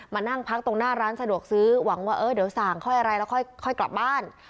มานั่งพักตรงหน้าร้านสะดวกซื้อหวังว่าเออเดี๋ยวสั่งค่อยอะไรแล้วค่อยกลับบ้าน